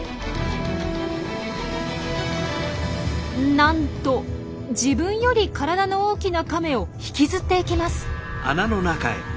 なんと自分より体の大きなカメを引きずっていきます。